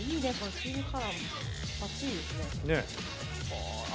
チームカラーも、ばっちりですね。